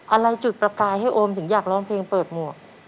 อะไรจุดประกายให้โอมถึงอยากร้องเพลงเปิดหมวก